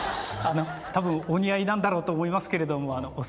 たぶんお似合いなんだろうと思いますけれども。